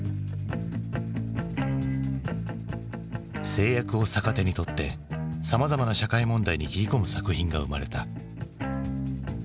制約を逆手にとってさまざまな社会問題に切り込む作品が生まれた。